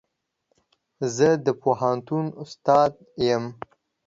زه د پوهنتون استاد يم.